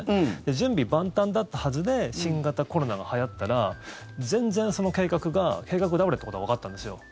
準備万端だったはずで新型コロナがはやったら全然その計画が計画倒れということがわかったんですよ。